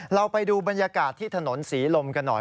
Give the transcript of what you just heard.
เราไปดูบรรยากาศที่ถนนศรีลมกันหน่อย